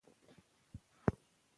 ښايي هغوی نن ماښام زموږ کره راشي.